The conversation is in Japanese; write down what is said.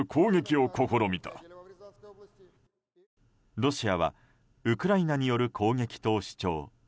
ロシアはウクライナによる攻撃と主張。